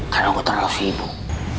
karena gue terlalu sibuk